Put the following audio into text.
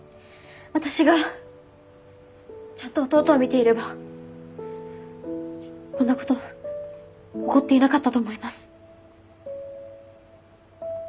私がちゃんと弟を見ていればこんなこと起こっていなかったと思います。